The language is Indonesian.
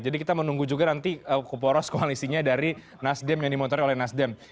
jadi kita menunggu juga nanti sporos koalisinya dari nasdem yang dimontori oleh nasdem